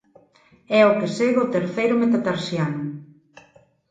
É o que segue ao terceiro metatarsiano.